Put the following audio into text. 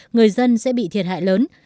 người dân sẽ bị thiệt hại lớn